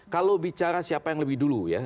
kalau bicara siapa yang lebih dulu ya